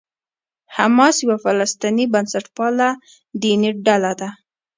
حماس یوه فلسطیني بنسټپاله دیني ډله ده.